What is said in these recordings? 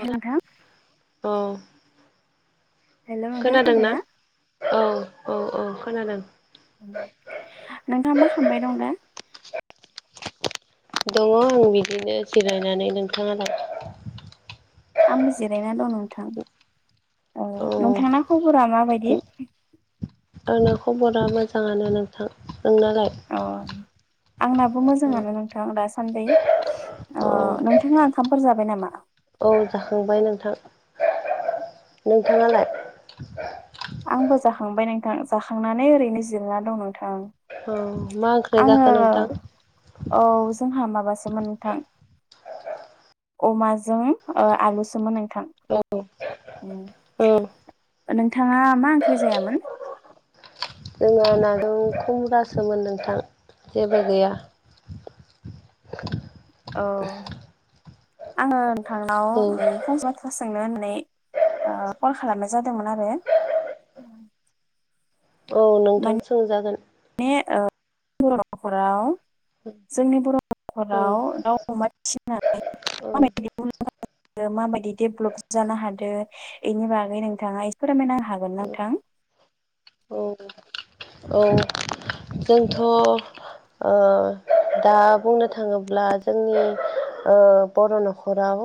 हेल' नोंथां हेल' नोंथां खोनादों ना? औ औ औ खोनादों। नोंथाङा मा खालामबाय दं दा? दङ' आं बिदिनो जिरायनानै नोंथाङालाय? आंबो जिरायना दं नोंथां। औ औ नोंथांना खबरा माबायदि? आंना खबरा मोजाङानो नोंथां। नोंनालाय अ आंनाबो औ मोजाङानो नोंथां दासान्दि। ओ औ नोंथाङा ओंखामफोर जाबाय नामा? औ जाखांबाय नोंथां नोंथाङालाय? आंबो जाखांबाय नोंथां जाखांनानै ओरैनो जिरना दं नोंथां। औ मा ओंख्रि जाखो आङो नोंथां औ जोंहा माबा सो मोन नोंथां अमाजों ओ आलुसोमोन नोंथां। औ औ नोंथाङा मा ओंख्रि जायामोन? जोङो नाजों खुमरा सोमोन नोंथां जेबो गैया। औ आङो नोंथांनाव उम फंसे बखथ्रा सोंनो होननानै कल खालामनाय जादोंमोन आरो। औ नोंथां सोंजागोन। बर' नखराव जोंनि बर' औ न'खराव दाउ अमा फिसिनानै औ माबायदि मुलाम्फा माबायदि डेभलप जानो हादों एनि बागै नोंथाङा एसे फोरमायनो हागोन ना नोंथां? [inaudible] औ औ जोंथ' ओ दा बुंनो थाङोब्ला जोंनि ओ बर' न'खराव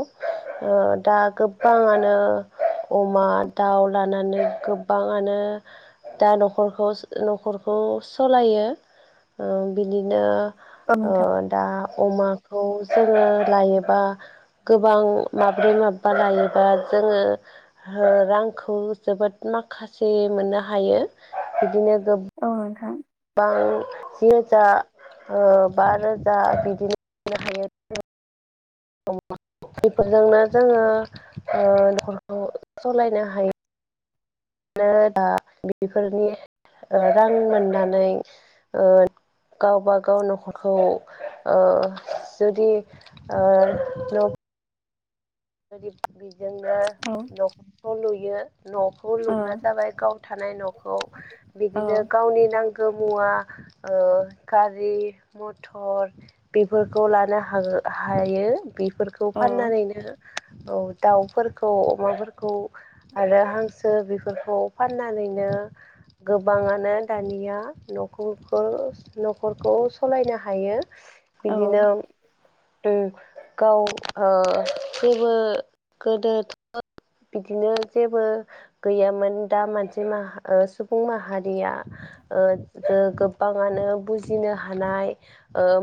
दा गोबाङानो अमा, दाउ लानानै गोबाङानो दा न'खरखौ न'खरखौ सालायो ओ बिदिनो औ नोंथां दा अमाखौ जोङो लायोबा गोबां माब्रै -माबा लायोबा जोङो रांखौ जोबोद माखासे मोननो हायो बिदिनो औ नोंथां। बां जि रोजा बा रोजा बिदिनो खामायनो हायो। बेफोर जोंनो जोङो ओ न'खरखौ सालायनो हायो। दा बेफोरनि रां मोननानै गावबा गाव न'खरखौ ओ जुदि ओ गोरिब बिजोंनो औ न'खरखौ लुयो न'खौ औ लुग्रा जाबाय गाव थानाय न'खौ बिदिनो गावनि नांगौ मुवा ओ गारि- मथर बेफोरखौ लानो हागोन हायो बेफोरखौ औ फाननानैनो। औ दाउफोरखौ अमाफोरखौ आरो हांसो बेफोरखौ फाननानै बिदिनो गोबाङानो दानिया नखरखो- न'खरखौ सालायनो हायो। बिदिनो औ अम गाव ओ जेबो गोदोथ' बिदिनो जेबो गैयामोन दा मानसि माहा सुबुं माहारिया ओ गोबाङानो बुजिनो हानाय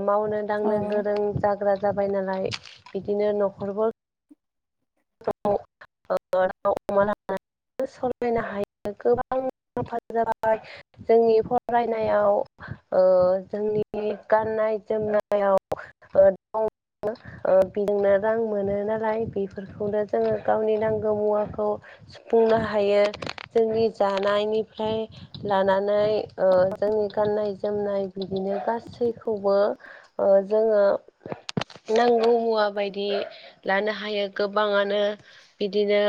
मावनो दांनो गोरों जाग्रा जाबाय नालाय बिदिनो न'खरबो दाउ -अमा लानानै सालायनो हायो गोबां जाबाय जोंनि फरायनायाव ओ जोंनि गाननाय -नाय जोमनायाव ओ दं बिदिनो रां मोनो नालाय बेफोरखौनो जोङो गावनि नांगौ मुवाखौ फुंनो हायो जोंनि जानायनिफ्राय लानानै ओ जोंनि गानन गाननाय -जोमनाय बिदिनो गासैखौबो जोङो नांगौ मुवा बायदि लानो हायो गोबाङानो बिदिनो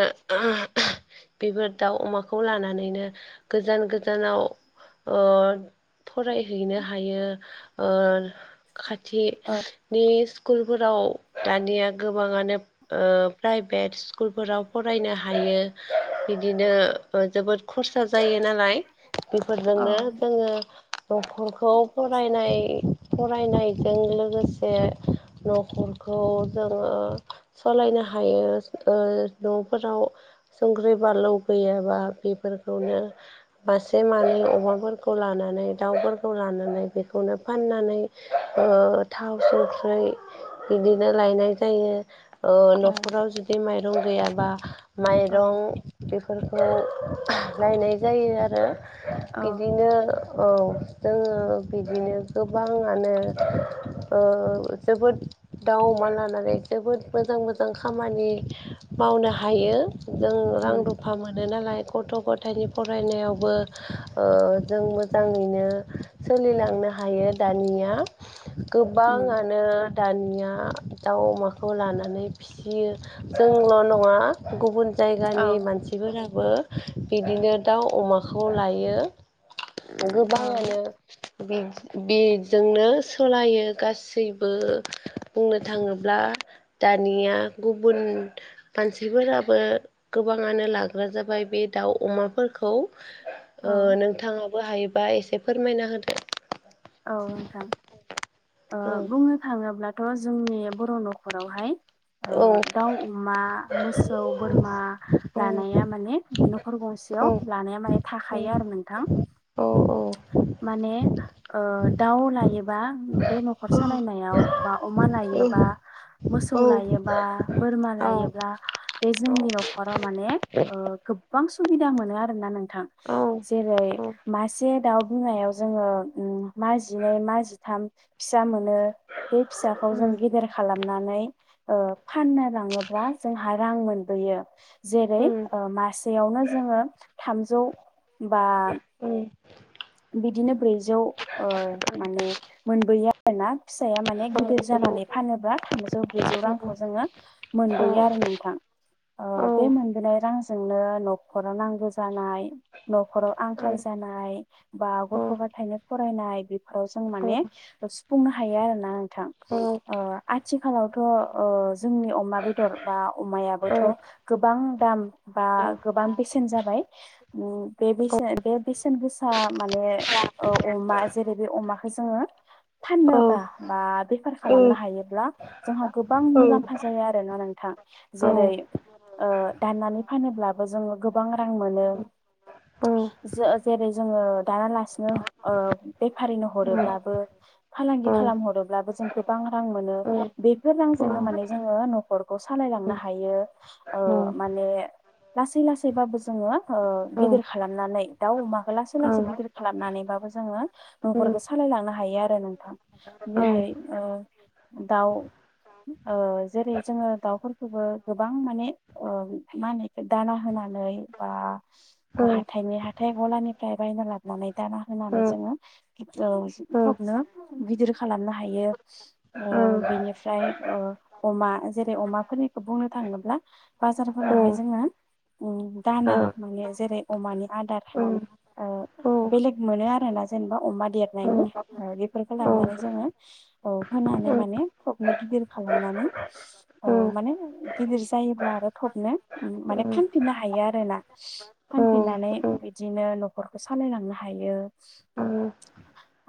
बेफोर दाउ- अमाखौ लानानैनो गोजान -गोजान जोनाव ओ फरायहैनो हायो ओ खाथि औ नि स्कुलफोराव दानिया गोबाङानो ओ प्राइभेट स्कुलफोराव फरायनो हायो बिदिनो जोबोद। खरसा जायो नालाय बेफोरजोंनो जोङो। न'खरखौ फरायनाय फरायनायजों लोगोसे। न'खरखौ जोङो सालायनो हायो ओ न'फोराव संख्रि बानलु गैयाबा बेफोरखौनो मासे मानै अमाफोरखौ लानानानै नानै दाउफोरखौ लानानै बेखौनो फाननानै ओ थाव संख्रै बिदिनो लायनाय जायो। ओ औ न'खराव जुदि माइरं गैयाबा औ माइरं बेफोर खौ लायनाय जायो आरो औ बिदिनो औ जोङो बिदिनो गोबाङानो ओ जोबोद दाउ अमा लानानै जोबोद मोजां मोजां खामानि मावनो हायो। जों रां उम रुफा मोनो नालाय। गथ' गथायनि फरायनायावबो ओ जों मोजाङैनो सोलिलांनो हा हायो दानिया उम गोबाङानो दानिया दाउ अमाखौ लानानै फिसियो जोंल' नङा गुबुन औ जायगानि मानसिफोराबो बिदिनो दाउ अमाखौ लायो। औ गोबाङानो बे-बेजोंनो सोलायो गासैबो बुंनो थाङोब्ला दानिया गुबुन मानसिफोराबो गोबाङानो लाग्रा जाबाय बे दाउ अमाफोरखौ ओ औ नोंथाङा बो हायोबा एसे फोरमायना होदो। औ नोंथां ओ औ बुंनो थाङोब्ला दाथ' जोंनि बर' न'खरावहाय ओ औ दाउ, अमा, मोसौ, बोरमा औ औ लानाया माने न' न'खर गंसेयाव लानाया माने थाखायो आरो नोंथां, माने ओ दाउ लायोबा बे न'खर सालायनायाव बा अमा लायोबा, मोसौ लायोबा, बोरमा लायोब्ला बे जोंनि न'खराव माने ओ गोबां सुबिदा मोनो आरोना नों थां । जेरै मासे दाउ बिमायाव जोङो ओ मा जिनै मा जिथाम फिसा मोनो बे फिसाखौ जों गेदेर खालाम नानै ओ फाननो लाङोब्ला जोंहा रां मोनबोयो। जेरै ओ मासेयावनो जोङो थामजौ बा बिदिनो ब्रैजौ ओ माने मोनबोयो आरोना। फिसाया माने गिदिर जानानै फानोब्ला थामजौ, ब्रैजौ रांखौ जोङो मोनबोयो आरो नोंथां। ओ बे मोनबोनाय रांजों जोंनो न'खराव नांगौ जानाय न'खराव आंखाल जानाय बा औ गथ' गथायनो फरायनाय बेफोराव जों औ माने सुफुंनो हायो आरो ना नों थां ओ आथिखालावथ' ओ जोंनि अमा बेदर बा अमायाबोथ' गोबां दाम बा गोबां बेसेन जाबाय । ओ बेसे बे बेसेन गोसा सा माने अमा जेरै बे अमाखौ जोङो फाननोबा बा बे बेफार खालामनो हायोब्ला जोंहा गोबां मुलाम्फा जाया आरोना नोंथां। जेरै ओ दाननानै फानोब्लाबो जोङो गोबां रां मोनो। जो-जेरै जोङो दानालासिनो ओ बेफारिनो हरोब्लाबो फालांगि खालाम हरोब्लाबो जों जों गोबां रां मोनो बेफोर रांजोंनो माने जोङो न'खरखौ सालायलांनो हायो। ओ माने लासै लासैबाबो जोङो ओ गिदिर खालामनानै दाउ अमाखो ला लासै लासै गिदिर खालामनानैबाबो जोङो न'खरखौ सालायलांनो हायो आरो नोंथां जेरै ओ दाउ ओ जेरै जोङो दाउफोरखौबो गोबां माने ओ मा होनो दाना होना नै बा हाथायनि हाथाय गलानि फ्राय बायना लाबानै दाना होनानै जोङो ओ थबनो गिदिर खालामनो हायो। ओ बिनिफ्राय ओ अमा जेरै अमाफोरनिखौ बुंनो थाङोब्ला जों बाजारफोरावहाय जोङो ओम दाना माने जेरै अमानि आदार ओ बेलेग मोनो आरोना जेनेबा अमा देरनायनि ओ बेफोरखौ लानानै जोङो ओ फा ननानै माने थबनो गिदिर खालामनानै ओ माने गिदिर जायोब्ल आरो थब नो माने फानफिननो हायो आरोना फानफिननानै बिदिनो न'खरखौ सालायलांनो हायो।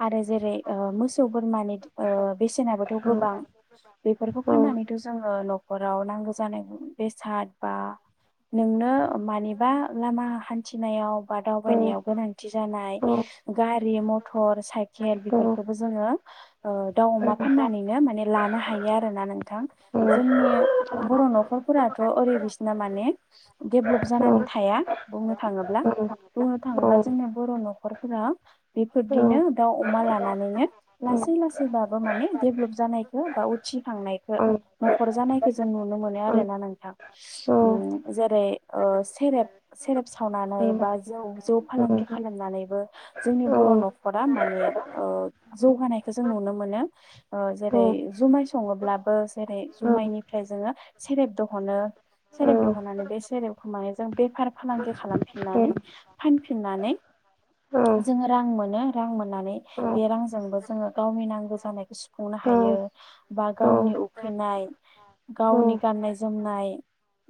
आरो जेरै ओ मोसौ बोरमानि ओ बेसेनाबोथ गोबां बेफोरखौ फाननानैथ जोङो नखराव नांगौ जानाय बेसाद बा नोंनो मानिबा लामा हान्थिनायाव बा दावबायनायाव गोनांथि जानाय गारि मथर साइकेल बेफोरखौबो जोङो। ओ दाउ अमा फाननानैनो माने लानो हायो आरोना नोंथां जोंनि बर' नखरफोराथ ओरै बिसिना माने डेभलप जानानै थाया बुंनो थाङोब्ला बुंनो थाङोब्ला जोंनि बर नखरफोरा बेफोरदिनो दाउ अमा लानानैनो लासै लासैबाबो माने देभलप जानायखौ बा उथिखांनायखौ नखर जानायखौ जों नुनो मोनो आरोना नोंथां उम जैरै ओ सेरेब सेरेब सावनानै बा जौ जौ फालांगि खालामनानैबो जोंनि बर नखरा माने ओ जौ नायखौ जों नुनो मोनो ओ जेरै जुमाय सङोब्लाबो जेरै जुमायनिफ्राय जोङो सेरेब दहनो सेरेब दहननानै बे सेरेबखौ माने जों बेफार फालांगि खालामफिननानै फानफिननानै जोङो रां मोनो रां मोननानै बे रांजोंबो जोङो गावनि नांगौ जानायखौ सुफुंनो हा यो बा गावनि उखैनाय गावनि गाननाय जोमनाय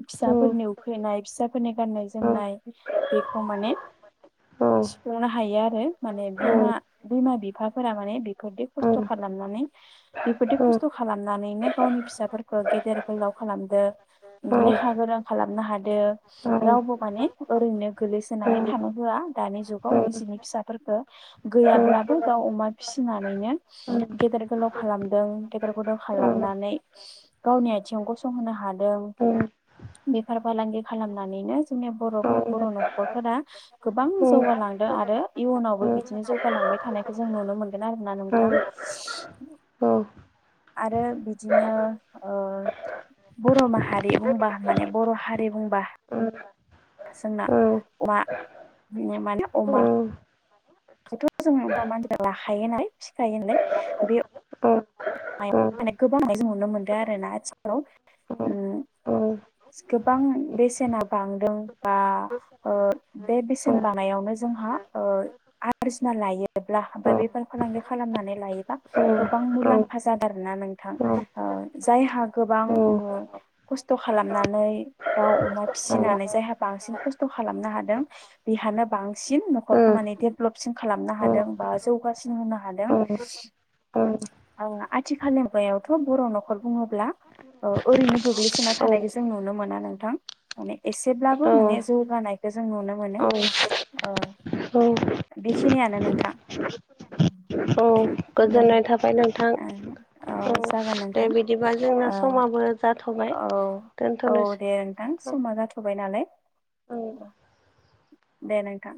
फिसाफोरनि उखैनाय फिसाफोरनि गाननाय जोमनाय बेखौ माने सुफुंनो हायो आरो माने बिमा बिमा बिफाफोरा माने बेफोरदि खस्थ खालाम नानै बेफोरदि खस्थ खालामनानैनो गावनि फिसाफोरखौ गेदेर गोलाव खालामदो लेखा गोरों खालामनो हादो रावबो माने ओरैनो गोग्लैसोनानै थानो होआ दानि जुगाव जिनि फिसाफोरफोरखो गैयाब्लाबो दाउ अमा फि सिनानैनो गेदेर गोलाव खालामदों गेदेर गोलाव खालामनानै गावनि आथिं गसंहो हादों बेफार फालांगि खालामनानैनो जोंनि बर बर न फोर गोबां जौगालांदों आरो इयुनावबो बिदिनो जौगालांबाय थानायखौ जों नुनो मोनगोन आरो ना नोंथां औ आरो बिदिनो ओ बर माहारि बुंबा माने बर हारि बुंबा जोंना अमा माने अमा [unintelligible] [unintelligible] गोबाङनाय जों नुनो मोनदों आरो ना आथिखालाव ओम गोबां बेसेना बांदों बा ओ बे औ बेसेन बानायावनो जोंहा ओ आरजिनालायोब्ला बा बेफार फालांगि खालामनानै लायोबा मुलाम फा जादों आरो ना नोंथां ओ जायहा गोबां ओ खस्थ खालामनानै दाउ अमा फिसिनानै जायहा बांसिन खस्थ खालामनो हादों बेहानो बांसिन नखर मानि डेभलपसिन खालामनो हादों बा जौगासिन होनो हादों औ ओं आथिखालनि मुगायावथ' बर' न'खर बुङोब्ला ओ ओरैनो गोग्लैसोना थानायखौ जों नुनो मोना नोंथां माने एसेब्लाबो माने जौगानाय खो जों नुनो मोनो ओ बेखिनियानो नोंथां। औ नों गोजोननाय थाबाय नों थां औ औ जागोन दे नोंथां बिदिबा जोंना ओ समाबो जाथ'बाय। औ औ दोनथ'नोसै दे नोंथां। औ समा जाथ'बाय नालाय औ दे नोंथां।